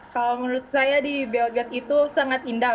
kalau menurut saya di belgrade itu sangat indah